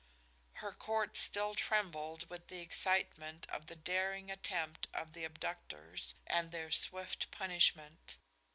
Her court still trembled with the excitement of the daring attempt of the abductors and their swift punishment.